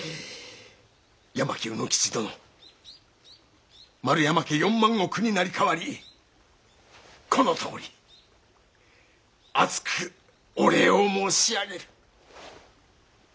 八巻卯之吉殿丸山家四万石に成り代わりこのとおり厚くお礼を申し上げる。